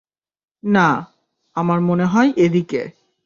না, আমার মনে হয় এদিকে।